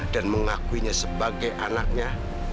dan mengakuinya sebagai anaknya